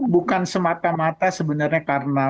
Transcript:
bukan semata mata sebenarnya karena